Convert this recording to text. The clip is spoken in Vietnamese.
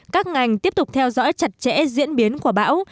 các ngành tiếp tục theo dõi chặt chẽ diễn biến của bão